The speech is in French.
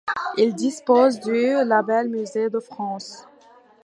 Il dispose du label musée de France.